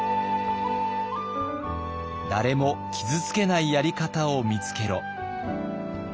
「誰も傷つけないやり方を見つけろ！」。